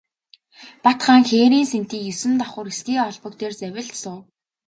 Бат хаан хээрийн сэнтий есөн давхар эсгий олбог дээр завилж суув.